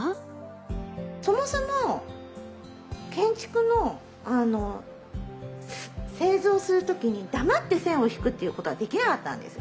そもそも建築の製図をする時に黙って線を引くっていうことができなかったんです。